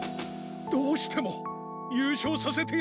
どうしてもゆうしょうさせてやりたくて。